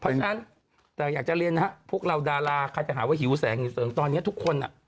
เพราะฉะนั้นแต่อยากจะเรียนนะฮะพวกเราดาราใครจะหาว่าหิวแสงหิวเสริงตอนนี้ทุกคน